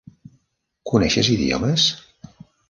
Coneixes idiomes?